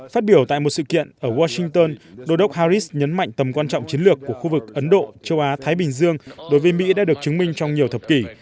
phát biểu tại một sự kiện ở washington đô đốc harris nhấn mạnh tầm quan trọng chiến lược của khu vực ấn độ châu á thái bình dương đối với mỹ đã được chứng minh trong nhiều thập kỷ